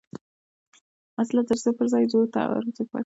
وسله د زړه پر ځای زور ته ارزښت ورکوي